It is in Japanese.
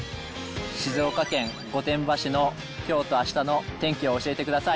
静岡県御殿場市のきょうとあしたの天気を教えてください。